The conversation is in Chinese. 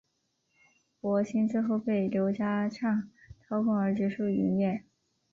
博新最后被刘家昌掏空而结束营业。